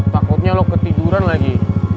takutnya lo ketiduran lagi